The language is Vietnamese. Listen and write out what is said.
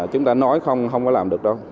chúng ta nói không không có làm được đâu